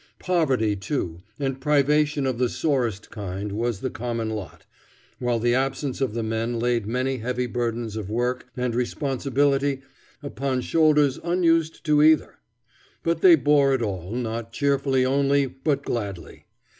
Poverty, too, and privation of the sorest kind, was the common lot, while the absence of the men laid many heavy burdens of work and responsibility upon shoulders unused to either. But they bore it all, not cheerfully only, but gladly.